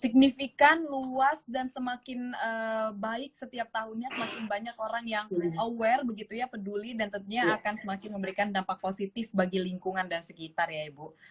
signifikan luas dan semakin baik setiap tahunnya semakin banyak orang yang aware begitu ya peduli dan tentunya akan semakin memberikan dampak positif bagi lingkungan dan sekitar ya ibu